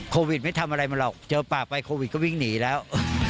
โควิดไม่ทำอะไรมันหรอกเจอปากไปโควิดก็วิ่งหนีแล้ว